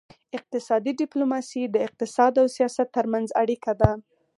اقتصادي ډیپلوماسي د اقتصاد او سیاست ترمنځ اړیکه ده